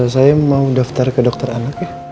saya mau daftar ke dokter anak ya